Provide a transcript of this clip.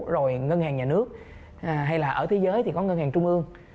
rồi ngân hàng nhà nước hay là ở thế giới thì có ngân hàng trung ương